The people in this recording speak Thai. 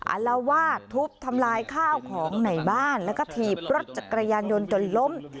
อารวาสทุบทำลายข้าวของในบ้านแล้วก็ถีบรถจักรยานยนต์จนล้ม